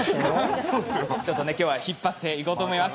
ちょっとね今日は引っ張っていこうと思います。